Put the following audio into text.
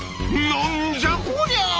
何じゃこりゃ！